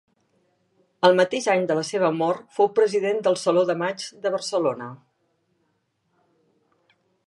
El mateix any de la seva mort fou president del Saló de maig de Barcelona.